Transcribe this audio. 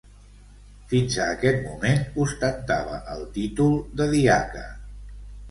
Fins a aquest moment ostentava el títol de diaca.